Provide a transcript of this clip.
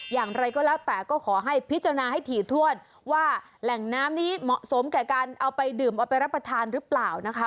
อย่างไรก็แล้วแต่ก็ขอให้พิจารณาให้ถี่ถ้วนว่าแหล่งน้ำนี้เหมาะสมแก่การเอาไปดื่มเอาไปรับประทานหรือเปล่านะคะ